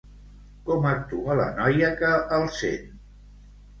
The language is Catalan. Com actua la noia que el sent?